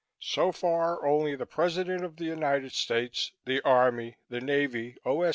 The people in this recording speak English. So far, only the President of the United States, the Army, the Navy, O.